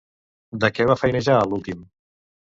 De què va feinejar a l'últim?